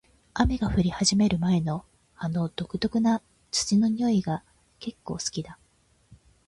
雨が降り始める前の、あの独特な土の匂いが結構好きだ。